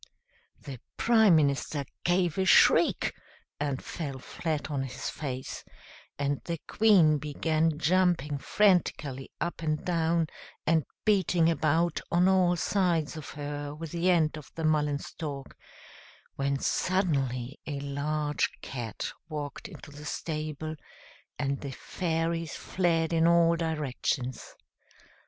The Prime Minister gave a shriek, and fell flat on his face, and the Queen began jumping frantically up and down, and beating about on all sides of her with the end of the mullen stalk, when suddenly a large Cat walked into the stable, and the fairies fled in all directions.